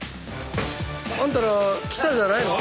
あんたら記者じゃないの？